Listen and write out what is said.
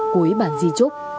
cuối bản di trúc